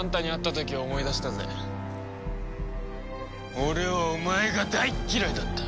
俺はお前が大嫌いだった！